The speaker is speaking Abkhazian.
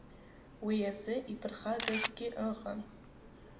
Уи азы иԥырхагазгьы ыҟан…